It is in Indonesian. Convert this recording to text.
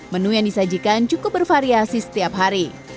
menu yang disajikan cukup bervariasi setiap hari